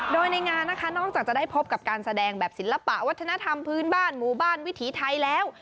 โดยในงานนะคะนอกจากจะได้พบกับการแสดงแบบศิลปะวัฒนธรรมพื้นบ้านหมู่บ้านวิถีไทยแล้ว